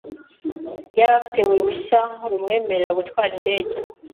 yari afite uruhushya rumwemerera gutwara indege.